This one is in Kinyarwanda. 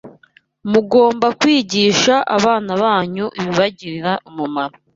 Mugomba kwigisha abana banyu ibibagirira umumaro